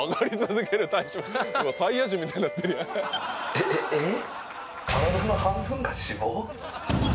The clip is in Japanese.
えっ。えっ！？